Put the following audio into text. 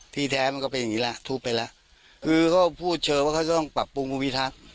ที่แท้มันก็เป็นอย่างงี้แล้วทุบไปแล้วคือเขาพูดเชิงว่าเขาจะต้องปรับปรุงภูมิทักษ์